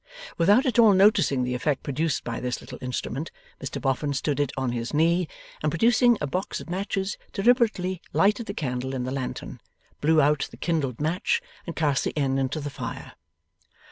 Without at all noticing the effect produced by this little instrument, Mr Boffin stood it on his knee, and, producing a box of matches, deliberately lighted the candle in the lantern, blew out the kindled match, and cast the end into the fire.